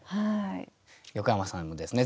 横山さんもですね